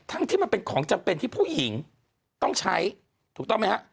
ที่มันเป็นของจำเป็นที่ผู้หญิงต้องใช้ถูกต้องไหมฮะ